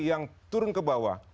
yang turun ke bawah